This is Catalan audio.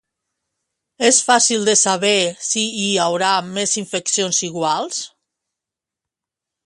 És fàcil de saber si hi haurà més infeccions iguals?